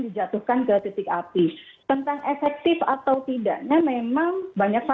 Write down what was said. dijatuhkan ke titik api tentang efektif atau tidak